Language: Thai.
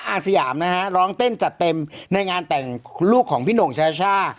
อาสยามนะฮะร้องเต้นจัดเต็มในงานแต่งลูกของพี่หน่งชาช่า